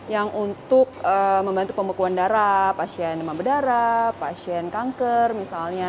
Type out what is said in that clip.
yang untuk membantu pembekuan darah pasien demam berdarah pasien kanker misalnya